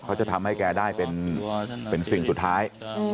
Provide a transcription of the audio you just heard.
เขาจะทำให้แกได้เป็นสิ่งสุดท้าย